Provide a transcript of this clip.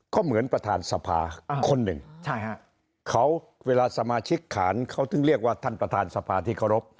ก็เหมือนประธานสภาคนหนึ่งเขาเวลาสมาชิกขานเขาถึงเรียกว่าท่านประธานสภาที่เคารพ